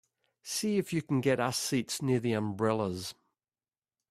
See if you can get us seats near the umbrellas.